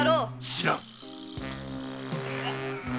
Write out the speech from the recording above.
知らん！